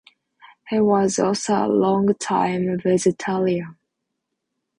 He was also a longtime vegetarian.